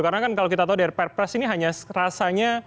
karena kan kalau kita tahu dari perpres ini hanya rasanya